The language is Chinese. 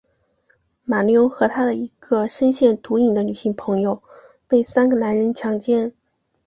马纽和她的一个深陷毒瘾的女性朋友被三个男人强奸。